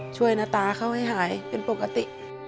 หน้าตาเขาให้หายเป็นปกติ